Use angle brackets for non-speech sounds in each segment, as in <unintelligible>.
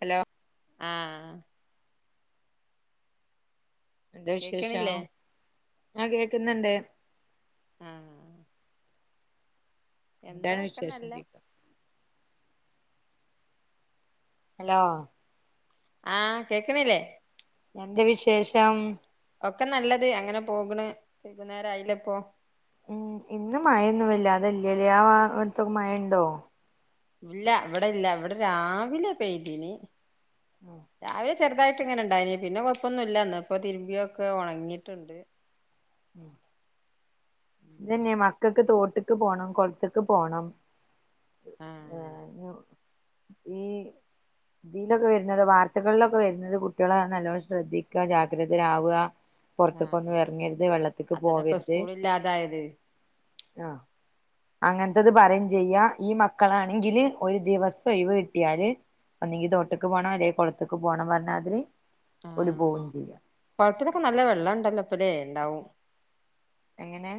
Hello ആഹ് എന്താ വിശേഷം കേക്കണില്ലേ ആഹ് കേക്കുന്ന്ണ്ട്. ആഹ്. എന്താ എന്താണ് ഒക്കെ വിശേഷം നല്ല ചോയിക്കാ. ഹലോ. ആഹ് കേക്ക്ണില്ലേ. എന്ത് വിശേഷം. ഒക്കെ നല്ലത് അങ്ങനെ പോക്ണ് വൈകുന്നേരായിലെപ്പൊ. ഉം ഇന്ന് മയൊന്നുംവല്ലാതെ ഇല്ലലേ ആ വാത്തൊക്കെ മയയുണ്ടോ. ഇല്ലാ ഇവടില്ല ഇവിടെ രാവിലെ പെയതീനി ഉം രാവിലെ. ചെറുതായിട്ടിങ്ങനെ ഉണ്ടായിനി പിന്നെ കൊഴപ്പൊന്നുല്ല ഇന്ന്പ്പൊ തിരുമ്പിയൊക്കെ ഒണങ്ങീട്ട്ണ്ട്. <inaudible> ഇതന്നെയ മക്കക്ക് തോട്ടക്ക് പോണം, കൊളത്ത്ക്ക് പോണം. ആഹ് ഏഹ് <unintelligible> ഈ. തിലൊക്കെ വരുന്നത് വാർത്തകളിലൊക്കെ വരുന്നത് കുട്ട്യാളെ നല്ലോണം ശ്രദ്ധിക്കാ ജാഗ്രതയിലാവാ. ആഹ് പൊറത്ത്ക്കൊന്നും എറങ്ങരുത് വെള്ളത്തിക്ക് പോവരുത് ല്ലതായത്. ആഹ്. അങ്ങനത്തത് പറയും ചെയ്യാ ഈ മക്കളാണെങ്കില് ഒരു ദിവസം ഒയിവ് കിട്ട്യാല്. ഒന്നെങ്കി തോട്ട്ക്ക് പോണം അല്ലെങ്കി കൊളത്തക്ക് പോണം പറഞ്ഞാതിരി ഓല് പോവുംചെയ്യാ. കൊളത്തിലൊക്കെ നല്ല വെള്ളണ്ടല്ലോ ഇപ്പല്ലേ ഉണ്ടാവും. എങ്ങനെ.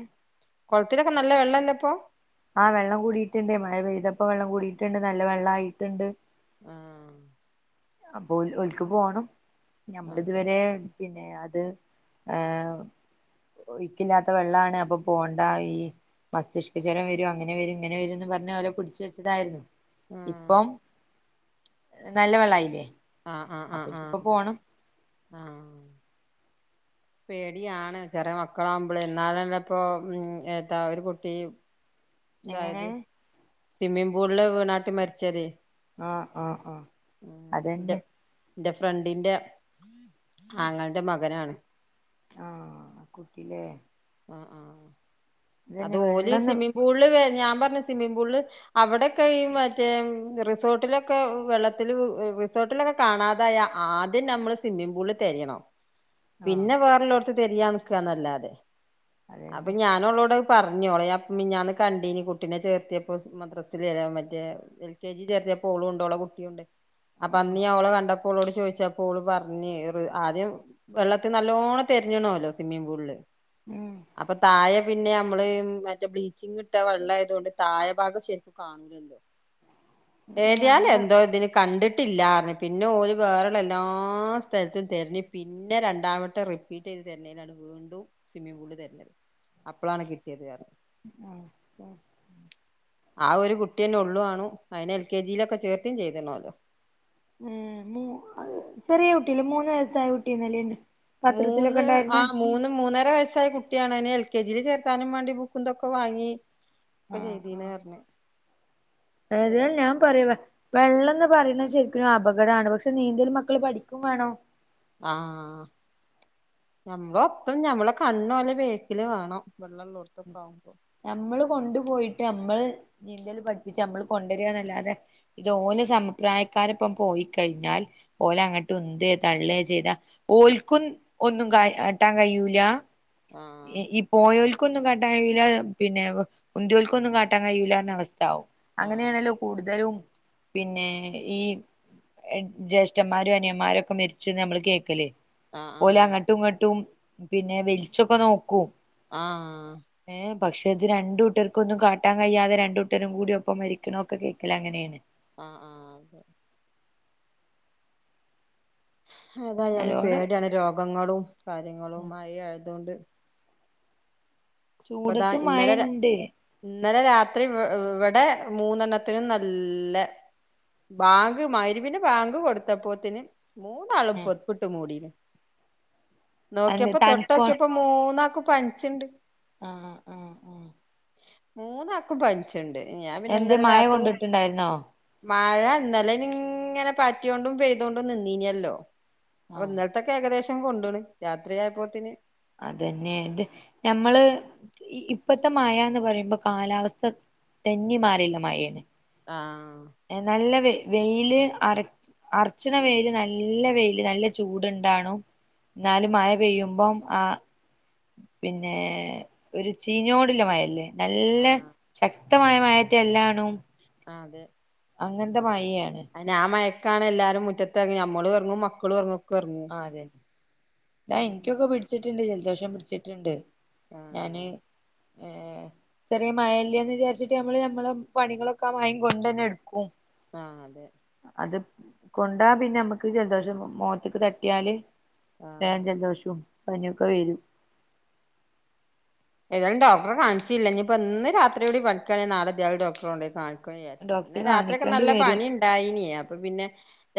കൊളത്തിലൊക്കെ നല്ല വെള്ളല്ലെ ഇപ്പൊ. ആഹ് വെള്ളംകൂടീട്ട്ണ്ടെ മഴ പെയ്തപ്പൊ വെള്ളം കൂടീട്ട്ണ്ട് നല്ല വെള്ളായിട്ട്ണ്ട്. ആഹ്. അപ്പൊ ഓൽ ഓൽക്ക് പോണം അതെ ഞമ്മളിതുവരേ. പിന്നെ അത് ഏഹ്. ഒയ്ക്കില്ലാത്ത വെള്ളാണ് അപ്പൊ പോവണ്ട ഈഹ്. മസ്തിഷ്കജ്വരം വരും അങ്ങനെ വരും ഇങ്ങനെ വരുന്ന് പറഞ്ഞ് ഓലെ പിടിച്ച് വെച്ചതായിരുന്നു. ആഹ് ഇപ്പോം നല്ല വെള്ളായില്ലേ ആഹ് ആഹ് അപ്പ ആഹ് ആഹ് ന്നിപ്പൊ പോണം. ആഹ്. പേടിയാണ് ചെറേ മക്കളാവുമ്പളെ ന്നാളെന്നെ പ്പോ ഉം എന്താ ഒരു കുട്ടി. എങ്ങനെ തായത് സ്വിമ്മിംങ്ങ് പൂളില് വീണാട്ട് മരിച്ചതെ. ആഹ്, ആഹ്, ആഹ് ന്റെ അതന്നെ. ന്റെ ഫ്രണ്ടിന്റെ ആങ്ങൾന്റെ മകനാണ്. ആഹ് കുട്ടിലേ. ആഹ്, ആഹ് അത് അതന്നെ ഓല് വെള്ളന്ന് സ്വിമ്മിംഗ് പൂൾല് വേ ഞാംപറഞ്ഞ് സ്വിമ്മിഗ് പൂൾല്. അവടക്കെ ഈ മറ്റേ റിസോർട്ടിലൊക്കെ വെള്ളത്തില് റിസോർട്ട്. <unintelligible> ങ്ങളേക്കെ കാണാതായ ആദ്യം നമ്മള് സ്വിമ്മിംഗ് പൂളിൽ തെരേണം. ആഹ് പിന്നെ വേറെള്ളോട്ത്ത് തെരയാ നിക്കാന്നല്ലാതെ അപ്പൊ അതന്നെ ഞാനോളോടത്. പറഞ്ഞോളെ അപ്പ് മിഞ്ഞാന്ന് കണ്ടീനി കുട്ടിനെ ചേർത്തിയപ്പൊ ഉസ് മദ്രസില് ലാ മറ്റേ എൽ കെ ജി ചെർത്തിയപ്പൊ ഓളു ഒണ്ട്‌ ഓളെ കുട്ടീ ഒണ്ട്‌. ആഹ് അപ്പന്ന് ഞാ ഓളെ കണ്ടപ്പോ ഓളോട് ചോയിച്ചപ്പോ ഓള് പറഞ്ഞ് ർ ആദ്യം. വെള്ളത്തി നല്ലോണം തെരഞ്ഞ്ണോലൊ സ്വിമ്മിംഗ് പൂൾല്. ഉം അപ്പൊ തായെ. പിന്നെ അമ്മള് മറ്റേ ബ്ലീച്ചിങ്ങ്ട്ടാ വെള്ളായതോണ്ട് തായെ ഭാഗം ശെരിക്കും കാണൂലല്ലോ. ഏഹ് ഏത്യാലും അങ്ങനെ എന്തോതിന്. കണ്ട്‌ട്ടില്ലാറഞ്ഞ് പിന്നെ ഓല് വേറെള്ള എല്ലാ സ്ഥലത്തും തെരഞ്ഞ് പി പിന്നെ രണ്ടാവട്ടം റിപ്പീറ്റ്ത് തെരഞ്ഞേലാണ് വീണ്ടും സിമ്മിംഗ് പൂള്ൽ തെരഞ്ഞത്. അപ്പളാണ് കിട്ട്യേത് അറഞ് ആ ഒരു കുട്ട്യന്നെള്ളു ആണും. അയിനെ എൽ കെ ജീ ലൊക്കെ ചേർതേം ചെയ്തണ്ണോലൊ. ഉം ചെറിയ കുട്ട്യല്ലെ മൂന്ന് വയസായ കുട്ട്യന്നല്ലെ മൂന്ന് ആ മൂന്ന് മൂന്നര വയസ്സായ കു ട്ട്യാണയ്നെ എൽ കെ ജില് ചേർക്കാനും വേണ്ടി ബുക്കുംതൊക്കെ വാങ്ങി ഒക്കെ ആഹാ ചെയ്തീന്ന് പറഞ്ഞ് ഏത ഞാൻ ഏതായാലും പറയുവെ വെള്ളന്ന് പറയുന്നത് ശരിക്കും ഒരപകടാണ് പക്ഷെ നീന്തല് മക്കള് പഠിക്കും വേണം ആഹ് ഞമ്മളൊപ്പം ഞമ്മളെ കണ്ണോല ബേക്കില് വേണം വെള്ളള്ളോടത്തൊക്കെ ആവ്മ്പോ ഞമ്മള് കൊണ്ട് പോയിട്ടമ്മള് നീന്തല് പഠിപ്പിച്ച് അമ്മള് കൊണ്ടരികാന്നല്ല അതെ ഇത് ഓലെ സമപ്രായക്കാരിപ്പം പോയി കഴിഞ്ഞാൽ ഓലങ്ങട്ട് ഉന്ത്യെ തള്ള്യേ ചെയ്താ ഓൽക്കും ഒന്നും കാ ട്ടാൻ കയൂല ആഹ് ഈ പോയോൽക്കൊന്നും കാട്ടാൻ കയൂല പിന്നെ ഉന്ത്യോൽക്കൊന്നും കാട്ടാൻ കയൂല എന്ന അവസ് ടാവും ആഹ് അങ്ങനെയാണല്ലോ കൂടുതലും പിന്നെ ഈ ജ്യേഷ്ഠന്മാരും അനിയന്മാരും ഒക്കെ മരിച്ച നമ്മൾ കേക്കല് പോലെ ആഹ് അങ്ങട്ടുങ്ങട്ടും പിന്നെ വെലിച്ചൊക്കെ നോക്കും ആഹ് ഏഹ് പക്ഷെത് രണ്ടൂട്ടർക്കൊന്നും കാട്ടാൻ കയാതെ രണ്ടുട്ടരും കൂടി ഒപ്പം മരിക്കണോക്കെ കേക്കലെ അങ്ങനേണ് ആഹ് ആഹ് അതാ ഞാനും നല്ലോണം പേട്യാണ് രോഗങ്ങളും കാര്യങ്ങളുംമായി ആയതുകൊണ്ട് ഇപ്പൊതാ ചൂടത്തും ഇന്നലെ ര മഴണ്ട് ഇന്നലെ രാത്രി ഇവ്ടെ മൂന്നെണ്ണത്തിനും നല്ലെ ബാങ്ക് മരുവിന് ബാങ്ക് കൊടുത്തപ്പോത്തിന് മൂന്നാളും പൊതപ്പ്ട്ട് മൂടിനി അന്ന് നോക്കിയപ്പോ തണുപ്പ തൊട്ടോക്കിയപ്പോ മൂന്നാക്കും പനിച്ച്ണ്ട് ആഹ് അഹ് മൂന്നാക്കും പനിച്ചണ്ട് ഞാൻ പിന്നെ എന്തേ ഇന്നലെ മഴ രത്തു കൊണ്ടിട്ടുണ്ടായിരുന്നോ മഴ ഇന്നാലേങ്ങനെ പാറ്റിയ കൊണ്ടും പെയ്തോണ്ടും നിന്നീനല്ലോ ആ അപ്പൊ ഇത്തൊക്കെ ഏകദേശം കൊണ്ടണ് രാത്രിയപ്പോത്തിന് അതന്നെ ഇത് ഞമ്മള് ഇപ്പത്തെ മഴ എന്ന് പറയുമ്പോ കാലാവസ്ഥ തെന്നി മാറില്ല മഴേന് ആ നല്ല വെ വെയില് അറ അർച്ചണ വെയില് നല്ല വെയില് നല്ല ചൂടുണ്ടണും എന്നാലും മഴ പെയ്യുമ്പം ആ പിന്നെ ഒരു ചീഞ്ഞോണ്ട് ഇളമഴ നല്ല ആഹ് ശക് ശക്തമായ മയറ്റ എല്ലാണും ആ അതെ അങ്ങനത്തെ മഴയാണ് അയനെ ആ മയക്കാണ് എല്ലാവാരും മുറ്റത്ത് ഇറങ്ങി നമ്മള് ഇറങ്ങും മക്കള് ഇറങ്ങും ആ അതെ ഇതാ എനിക്കൊക്കെ പിടിച്ചിട്ടുണ്ട് ജലദോഷം പിടിച്ചിട്ടുണ്ട് ഞാന് ആഹ് ഏ ചെറിയ മഴല്യന്ന് വിചാരിച്ചിട്ട് നമ്മള് നമ്മള് പണികളൊക്കെ ആ മയം കൊണ്ട് തന്നെ എടുക്കും ആഹ അതെ അത് കൊണ്ടാ പിന്നെ നമ്മുക്ക് ജലദോഷം മുഖത്തേക്ക് തട്ടിയാല് വേഗം ആഹ് ജലദോഷും പനിയൊക്കെ വരും ഏതാലും ഡോക്റെ കാണിച്ചില്ലല്ല ഇനിയിപ്പോ ഇന്ന് രാത്രിടി പഠിക്കയാണെ നാളെ ന്തായാലും ഡോക്ടറെ കൊണ്ട കാണി ഡോക്ടറെ ഇന്നലെ രാത്രിയൊക്കെ കാണിക്കേണ്ടി നല്ല വരും പണി ഉണ്ടായിനേ അപ്പൊ പിന്നെ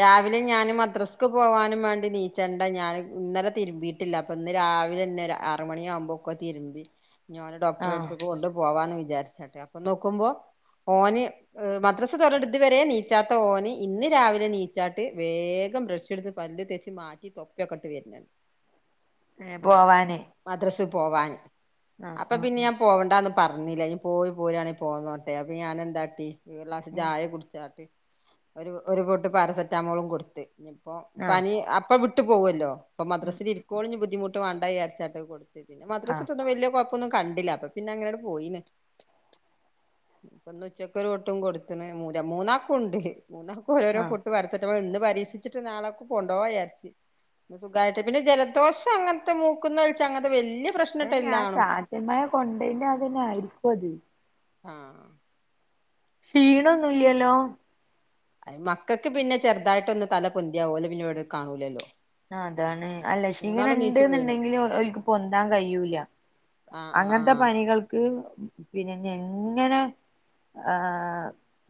രാവിലെ ഞാന് മദ്രസ്ക്ക് പോവാനും വേണ്ടി നീച്ചണ്ട ഞാൻ ഇന്നലെ രുമ്പി അപ്പൊ ഇന്ന് രാവിലെ തന്നെ അറ മണിയാവുമ്പോ ഒക്കെ തിരുമ്പി ഇനി ഒന്നേ ആ ഡോക്ടറെടുത്തുകു കൊ പോവാന്ന് വിചാരിച്ചട്ടെ അപ്പൊ നോക്കുമ്പോ ഓന് മദ്രസ തൊറന്നിട്ട് ഇത് വരെ നീച്ചാത്ത ഓന് ഇന്ന് രാവിലെ നീച്ചാട്ട് വേഗം ബ്രഷ് എടുത്ത് പല്ല് തേച്ച് മാറ്റി തൊപ്പിയൊക്കെട്ട് വെര്നെ ഏഹ് പോവാന് മദ്രസ് പോവാൻ അപ്പം ആ പിന്നെ ആ ഞാൻ പോവണ്ടാന്ന് പറഞ്ഞില്ല ഇനി പോയി പോരാണെ പോന്നോട്ടെ അപ്പം ഞാനെന്താട്ടി ഒരു ഗ്ലാസ്സ് ഉം ചായ കുടിച്ചാട്ടെ ഒരു ഒരു പൊട്ട് പാരസെറ്റാമോളും കൊട്ത്ത് ഇഞ് ഇപ്പോ ആ പനി അപ്പ വിട്ടു പോവോല്ലോ ഇപ്പ ഉം മദ്രസിലിരിക്കോളം ഇനി ബുദ്ധിമുട്ട് വാണ്ട വിചാരിച്ചാട്ട് അയ് കൊടു പിന്നെ ആ മദ്രസത്തൊന്നും വല്ല്യ കുഴപ്പൊന്നും കണ്ടില്ല അപ്പ പിന്ന അങ്ങനെ അങ്ങ്ട് പോയിന്ന് ഇപ്പൊന്ന് ഉച്ചക്കൊരു കൂട്ടും കൊട്ത്ത്ണ് മൂല മൂന്നാക്കുണ്ട് മൂന്നാ ഓരോരോ ആ പൊട്ട് പാരസെറ്റാമോൾ ഇന്ന് പരീക്ഷിച്ചിട്ട് നാളെ കൊണ്ടോവായാര്ച്ച് ഇത് സുഖായിട്ട് പിന്നെ ജലദോഷം അങ്ങത്തെ മൂക്ക്ന്നൊല്ച്ചാ അങ്ങത്തെ വെല്ല്യ പ്രശ് അതന്നെ ആ ചാറ്റൽ മഴ കൊണ്ടേൻ്റെ അതന്നെ ആയിരിക്കും അത് ആഹ് ക്ഷീണൊന്നുല്ല്യല്ലോ ആഹ് മക്കക്ക് പിന്നെ ചെറ്തായിട്ടൊന്ന് തല പൊന്തിയാ ഓലെ പിന്നെ ഇവടെ കാണൂലല്ലോ ആഹ് അതാണ് അല്ല ക്ഷീണം മൂന്നാളും നീച്ചു പോയിണ് ഇണ്ട്ന്ന്ണ്ടെങ്കില് ഓ ഒൽക്ക് പൊന്താൻ കയ്യൂല ആഹ് ആഹ് അങ്ങൻത്തെ ആഹ് പനികൾക്ക് പിന്നെ ഇനിയെങ്ങനെ ആഹ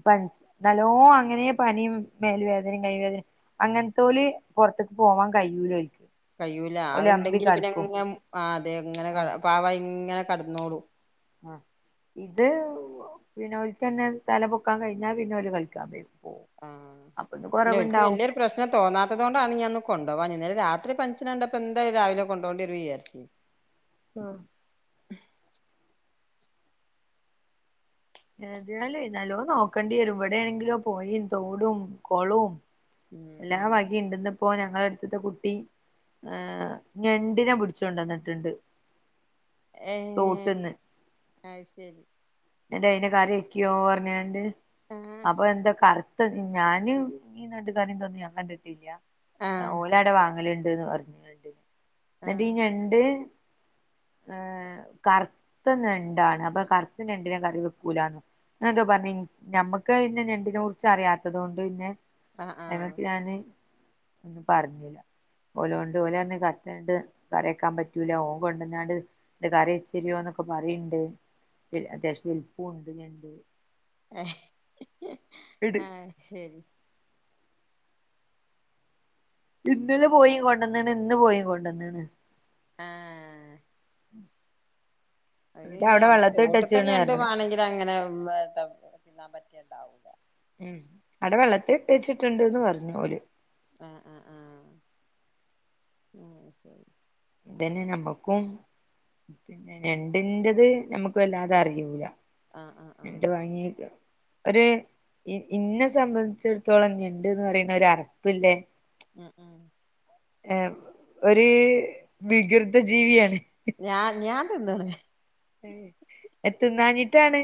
പനിച്ചു നല്ലോ അങ്ങനെ പനിയും മേല് വേദനയും കൈ വേദനയും അങ്ങൻത്തോല് പുറത്ത്ക്ക് പോവാൻ കയിയൂലെ കയ്യൂല അഹ്ണ്ടെങ്കില് പിന്നെങ്ങെ ആഹ് അതെ ങ്ങനെ ആ പാവായിങ്ങനെ കടന്നോളും ആഹ് ഇത് പിന്നോൽക്കെന്നെ തല പൊക്കാൻ കഴിഞ്ഞാൽ പിന്നോല് കളിക്കാൻ വരും ആഹ് ഇല്ല ഓൽക്ക് വല്യരു പ്രശ്നം തൊന്നാത്തത് കൊണ്ടാണ് ഞാൻ ഒന്ന് കൊണ്ടേവാഞ്ഞേ ഇന്നാലെ രാത്രി പനിച്ചിന കണ്ടപ്പോ എന്താലൂം രാവിലെ കൊണ്ടോ വെരും വിയാച്ചി ആഹ് ഏതായാലേ നല്ലോ നോക്കേണ്ടി വരും ഇവിടെയാണെങ്കിലോ പോയി തോടും കൊളും ഉം എല്ലാ ഉം വക ഇണ്ട് ഇന്ന് ഇപ്പൊ ഞങ്ങളെ അടുത്ത്ത്തെ കുട്ടി ഞെണ്ടിനെ പിടിച്ചൊണ്ടന്നിട്ടുണ്ട് ഏഹ് അത് ശെരി. ന്നിട്ട് അയിനെ കറിക്ക്യോർഞ്ഞാണ്ട് ആഹ് അപ്പം എന്താ കറി ഞാനും ഈ നട്ട് കാര്യം തൊന്നും ഞാൻ കണ്ടിട്ടിൽയ. ആഹ് ഓല് ആടെ വാങ്ങല്ണ്ട്ന്ന് പറഞ്ഞിണ്ട് എന്നിട്ട് ഈ ആഹ് ഞണ്ട് ഏ കർത്ത ഞെണ്ടാ അപ്പം കർത്ത ഞെണ് കറി വെക്കൂലന്ന് എന്നട്ടോ പറഞ് നഞമ്മക്ക് പിന്നെ ഞണ്ടിനെ കുറിച്ച് അറിയാത്തത് കൊണ്ട് പിന്നെ ആഹ് ആഹ് എന്നിട്ട് ഞാന് ഒന്നും പറ്ഞ്ഞില ഓലോണ്ട് ഓലർഞ് കർതേനോണ്ട് കറ്യെക്കാൻ പറ്റൂല ഓൻ കൊണ്ടന്നാണ്ട് ഇ കറിച്ചരിയോന്നൊക്കെ പറിണ്ട് അത്യാവശ്യം വിൽപ്പു ഉണ്ട് ഇട് ആഹാ ശരി ഇന്നല പോയിം കൊണ്ടന്ന്ണ് ഇന്ന് പോയിം കൊണ്ടന്ന്ണ് ആഹ് <inaudible> അത് എന്നിട്ട് കഴിഞ്ഞ അവിടെ നമ്മളെ വെള്ളത്തി തോട്ടത്തെ ഇട്ടച്ചണ് ഞണ്ട് പറഞ്ഞ് മാണെങ്കിൽ അങ്ങനെ യെത്ത തിന്നാൻ പറ്റിയ ഇണ്ടാവൂല അടെ വെള്ളത്ത്ട്ടെച്ചിട്ടുണ്ട്ന്ന് പർഞ്ഞു ഓല് ആ ആ ആ മം ശരി ഇതന്നെ നമ്മക്കും പിന്നെ ഞണ്ടിൻന്റെത് നമുക്ക് വല്ലാതെ അറിയൂല. ആഹ് ആഹ് എണ്ട് ആഹ് വാങ്ങിയത് ഒര് ഇന്നെ സംബന്ധിച്ചിടത്തോളം ഞണ്ട്ന്ന് പറയുന്ന ഒരു അറപ്പ്ല്ലേ ഉം ഉം ഏ ഒരു വികൃത ജീവിയാണ്. ഞാൻ ഞാൻ തിന്ന്ണ് അഹ് തിന്നാഞ്ഞിട്ടാണ്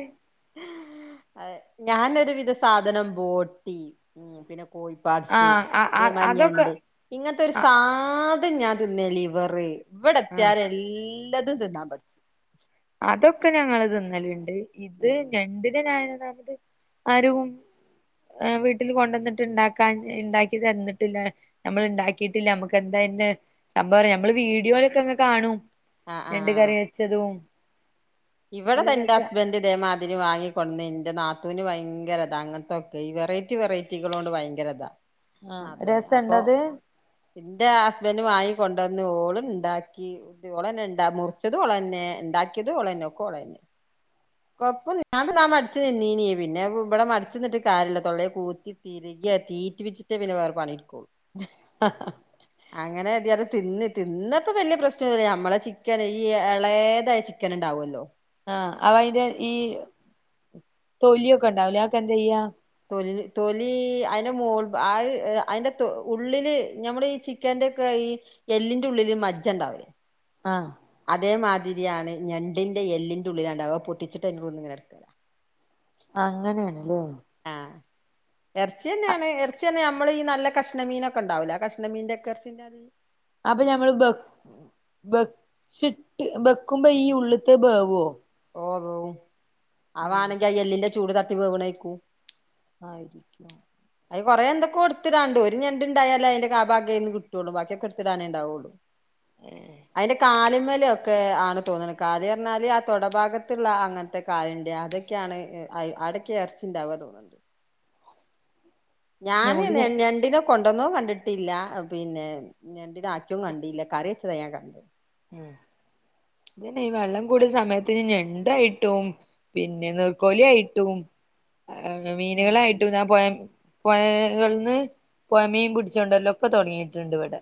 ഞാനരുവിധ സാധനം ബോട്ടി പിന്നെ കോഴി പാട്സ് ആഹ് ആഹ് അതൊക്കെ ഇതെമാതിരിഞണ്ട് ഇങ്ങനത്തെ ഒരു ആഹ് സാധന ഞാൻ തിന്നേല്യ ലിവർ ഇവിടെ എത്തിയ ആഹ് എല്ലാതും തിന്നാൻ പടിച്ച് അതൊക്കെ ഞങ്ങള് തിന്നലുണ്ട് ഇത് ഉം ഞണ്ടിനനായനതാണത് ആരും വീട്ടിൽ കൊണ്ടുവന്നിട്ട് ഇണ്ടാക്കാൻ ഇണ്ടാക്കി തന്നിട്ടില്ല നമ്മൾ ഉണ്ടാക്കിട്ടില്ല നമ്മുക്ക് എന്താന്റെ സംഭവം നമ്മള് വീഡിയോയിലൊക്കെ ഇങ്ങനെ കാണും ആഹ് ഞണ്ട് ആഹ് കറി വെച്ചതും ഇവിടെ നല്ല താ എന്റെ രസ ഹസ്ബന്റ് ഇതേ മാ തിരി വാങ്ങിക്കൊണ്ട്ന്നീന് എന്റെ നാത്തൂന് ഭയങ്കരതാ അങ്ങനത്തെൊക്കെ ഈ വെറൈറ്റി വെറൈറ്റികളോണ്ട് ഭയങ്കരതാ ആഹ രസണ്ട അത് എന്റെ ഹസ്ബന്റ് വാങ്ങി കൊണ്ടുവന്ന് ഓളും ഇണ്ടാക്കി ഓളെന്നെ ഇണ്ടാ മുറിച്ചത് ഓളെന്നെ ഉണ്ടാക്കിയത് ഒള്ളന്നെ ഒക്കെളെന്നെ കൊപ്പല്യ ഞാൻ മടിച്ച് നിന്നീനി പിന്നെ ഇവിടെ മടിച്ച് നിന്നിട്ട് കാര്യല്ല തൊള്ളാല് കൂതി തി കി തീറ്റ്ച്ചിട്ടേ പിന്നെ വേറെ പണിടുക്കളു <unintelligible> അങ്ങനെതെയാലും തിന്ന് തിന്നപ്പോ വലിയ പ്രശ്നന്നുല്ല്യ നമ്മളെ ചിക്കന് ഈ ഏളേതായ ചിക്കൻ ഉണ്ടാവുമല്ലോ ആഹ അവയിന്റെ ഈ തൊലിയൊക്കെണ്ടാവൂലെ അതൊക്കെ എന്ത ചെയ്യാ തൊല്ല് തൊലീ അയ്ന്റെ മോൾഭാ ആഹ് അയ്ന്റെ തൊ ഉള്ളില് ഞമ്മളീ ചി ക്കന്റെക്കെ ഈ എല്ലിന്റെ ഉള്ളില് മജ്ജ ണ്ടാവേ ആഹ് അതേമാതിരിയാണ് ഞണ്ടിന്റെ എല്ലിൻ്റെ ഉള്ളിലാണ്ടാവ അവ പൊട്ടിച്ചിട്ട് അയ്ൻ്റെ ഉള്ള്ന്ന്ങ്ങനെ എട്ക്കാ അങ്ങനെണ്ലേ ആഹ് എർച്ചിന്നെണ് എർച്ചിയർണ ഞമ്മള് ഈ നല്ല കഷ് ണ്ണമീനക്കെണ്ടാവുലേ ആഹ് കഷ്ണമീൻൻ്റക്കെർച്യന്നേ അത് അപ്പൊഞമ്മൾ ബെ ബെ ച്ചിട്ട് ബെക്കുമ്പയീ ഉള്ള്ത്തെബേവോ ഓഹ് വേവും അവാണങ്കി അത് എല്ലിന്റെ ചൂട് തട്ടി വേവ്ണേക്കു ആയിരിക്യും അത് കൊറേ എന്തൊക്കെ ട്ത്തിടാണ്ട് ഒര്ഞണ്ട്ണ്ടായാലേ അയ്ന്റെ കാ ഭാഗേയ്ന്ന് കിട്ടൊള്ളു ബാക്കിയൊക്കെ എട്ത്തിടാനേണ്ടാവുള്ളൂ അയ്ന്റെ കാല്മ്മലോ ക്കെ ആണ് തോന്ന്ണ് കാല് എർഞ്ഞാല് ആഹ് തൊടഭാഗത്ത്ള്ള അങ്ങൻത്തെ കാല്ൻ്റെ അത് ക്യാണ് എ ഐ അടെക്കെ എർച്ചിണ്ടാവ തോന്ന്ൺത് ഞാന് ഞമുക്ക് ഞൺ ഞണ്ടിനെ കൊണ്ടോന്നു കണ്ടിട്ടില്ല പിന്നെ ഞണ്ടിനെ ആക്യവും കണ്ടില്ല കറിവെച്ചതാ ഞാകണ്ട് ഉം ഇതന്നെ ഈ വെള്ളം കൂടിയ സമയത്ത്ഞ് ഞെണ്ടായിട്ടും പിന്നെ നീർക്കോലി ആയിട്ടും ഉം മീനുകളായിട്ടും ന്നാ പോയം പൊയേ കൾന്ന് പൊയമീൻ പിട്ച്ചോണ്ടല്ലര്ക്കെ തൊടങ്ങീട്ട്ണ്ട് വടെ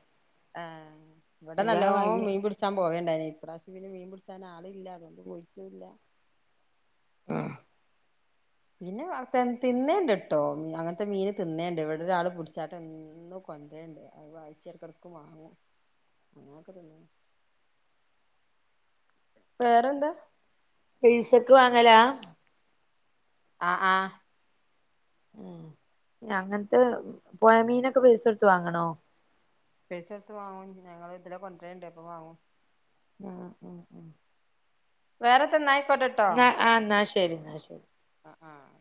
ആഹ് ഇവടെ നല്ലോ വഴി മീൻ പിടി ച്ചാം പോവേണ്ടായ്നി ഇപ്രാശ്യം പിന്നെ മീൻ പുടിച്ചാൻ ആളില്ല അതോണ്ട് പോയിറ്റുല്ല ഉം പിന്നെ വർതൻതിന്നേണ്ട്ട്ടോ മി അങ്ങൻത്തെ മീന് തിന്നേണ്ട് ഇവിടെ ഒരാള് പുടിച്ചാട്ട്ൺ ന്നുകൊൻരേണ്ട് അത് വായിച്ചെടക്കെടക്ക് വാങ്ങും അങ്ങന വേറെന്താ പൈസക്ക് വാങ്ങലാ ആഹ് ആഹ് ഉം ഞങ്ങൻത്തെ പോയ മീനക്കെ പൈസൊട്ത്ത് വാങ്ങണോ പൈസൊട്ത്ത് വാങ്ങും ഞങ്ങള് ഇതിലെ കൊണ്ടരേണ്ട് അപ്പൊ വാങ്ങും ആഹ് ആഹ് ഉം വേറത്തന്നായിക്കോട്ടെ ന്നാ ആഹ് ന്നാ ശരി ന്നാ ശരി ആഹ് ആഹ്